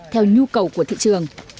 theo nhu cầu của thị trường